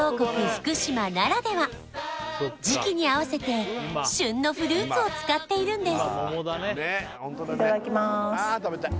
福島ならでは時期に合わせて旬のフルーツを使っているんです